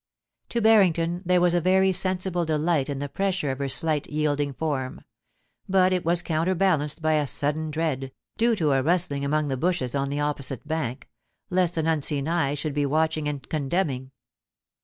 To Barrington there was a very sensible delight in the pressure of her slight, yielding form ; but it was counter balanced by a sudden dread, due to a rustling among the bushes on the opposite bank, lest an unseen eye should be watching and condemning.